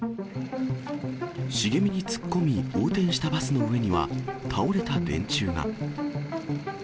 茂みに突っ込み、横転したバスの上には、倒れた電柱が。